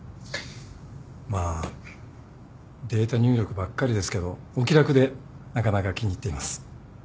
まあデータ入力ばっかりですけどお気楽でなかなか気に入っています